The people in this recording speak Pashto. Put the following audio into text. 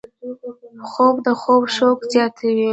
خوب د خوب شوق زیاتوي